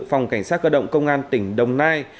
phòng cảnh sát cơ động công an tỉnh đồng nai